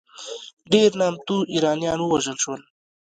ډېر نامتو ایرانیان ووژل شول.